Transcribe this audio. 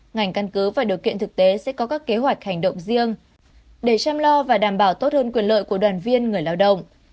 ngành căn cứ và điều kiện thực tế sẽ có các kế hoạch hành động riêng để chăm lo và đảm bảo tốt hơn quyền lợi của đoàn viên người lao động